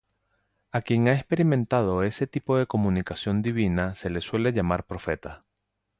A quien ha experimentado ese tipo de comunicación divina se le suele llamar profeta.